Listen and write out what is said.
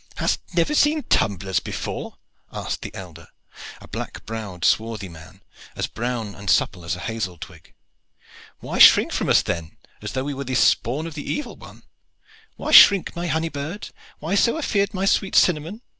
"Hast never seen tumblers before?" asked the elder, a black browed, swarthy man, as brown and supple as a hazel twig. "Why shrink from us, then, as though we were the spawn of the Evil One?" "Why shrink, my honey bird? Why so afeard, my sweet cinnamon?"